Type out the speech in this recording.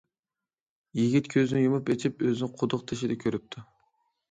يىگىت كۆزىنى يۇمۇپ ئېچىپ ئۆزىنى قۇدۇق تېشىدا كۆرۈپتۇ.